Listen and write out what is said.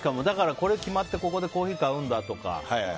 ここで決まってここでコーヒー買うんだとか。